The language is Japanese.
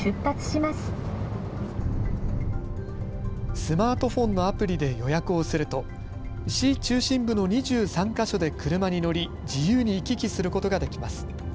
スマートフォンのアプリで予約をすると市中心部の２３か所で車に乗り、自由に行き来することができます。